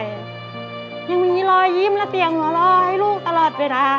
ยังมีรอยยิ้มและเสียงหัวเราะให้ลูกตลอดเวลา